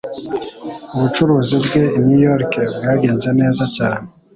Ubucuruzi bwe i New York bwagenze neza cyane.